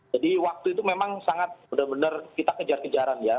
jadi waktu itu memang sangat benar benar kita kejar kejaran ya